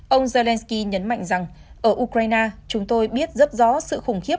ông zelensky nhấn mạnh rằng ở ukraine chúng tôi biết rất rõ sự khủng khiếp